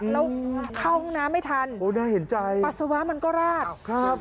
แล้วเข้าน้ำไม่ทันปัสสาวะมันก็ราดครับได้เห็นใจ